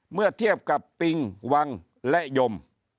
เมื่อเทียบกับปิงวังและยม